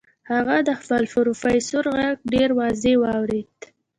هغه د خپل پروفيسور غږ ډېر واضح واورېد.